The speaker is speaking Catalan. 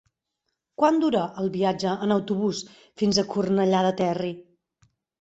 Quant dura el viatge en autobús fins a Cornellà del Terri?